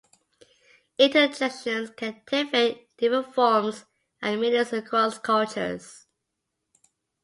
Interjections can take very different forms and meanings across cultures.